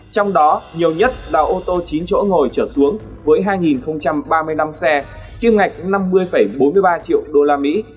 trong đó nhiều nhất là ô tô chín chỗ ngồi trở xuống với hai ba mươi năm xe kim ngạch năm mươi bốn mươi ba triệu đô la mỹ